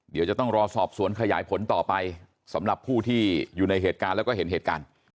เดี๋ยวจะต้องรอสอบสวนขยายผลต่อไปสำหรับผู้ที่อยู่ในเหตุการณ์แล้วก็เห็นเหตุการณ์